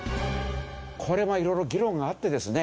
これは色々議論があってですね。